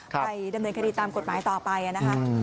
ไปดำเนินคดีตามกฎหมายต่อไปนะคะ